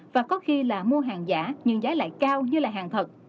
và có khi là mua hàng giả nhưng giá lại cao như là hàng thật